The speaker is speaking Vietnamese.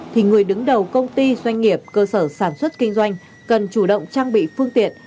thì người đứng đầu công ty doanh nghiệp cơ sở sản xuất kinh doanh cần chủ động trang bị phương tiện